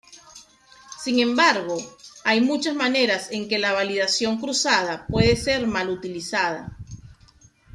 Sin embargo, hay muchas maneras en que la validación cruzada puede ser mal utilizada.